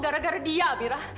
dan anak panggil pembunuh